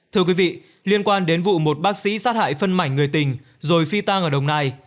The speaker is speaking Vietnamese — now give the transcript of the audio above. thưa quý vị liên quan đến vụ một bác sĩ sát hại phân mảnh người tình rồi phi tang ở đồng nai